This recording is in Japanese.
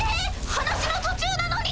話の途中なのに！